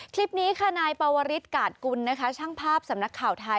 คลิปนี้ค่ะนายปวริสกาดกุลนะคะช่างภาพสำนักข่าวไทย